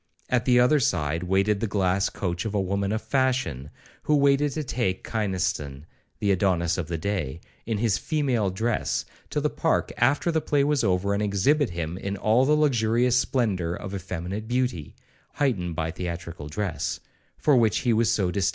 At the other side waited the glass coach of a woman of fashion, who waited to take Kynaston (the Adonis of the day), in his female dress, to the park after the play was over, and exhibit him in all the luxurious splendour of effeminate beauty, (heightened by theatrical dress), for which he was so distinguished.